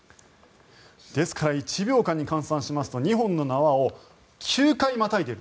ですから１秒間に換算しますと２本の縄を９回またいでいる。